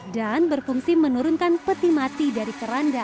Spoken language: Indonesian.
dan berfungsi menurunkan peti mati dari keranda